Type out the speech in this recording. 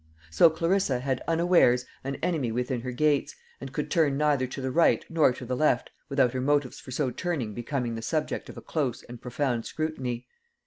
So Clarissa had, unawares, an enemy within her gates, and could turn neither to the right nor to the left without her motives for so turning becoming the subject of a close and profound scrutiny.